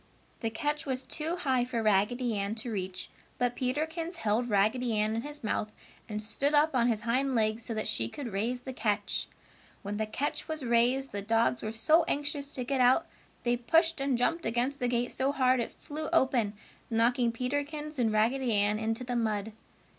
The catch was too high for Raggedy Ann to reach, but Peterkins held Raggedy Ann in his mouth and stood up on his hind legs so that she could raise the catch. When the catch was raised, the dogs were so anxious to get out they pushed and jumped against the gate so hard it flew open, knocking Peterkins and Raggedy Ann into the mud.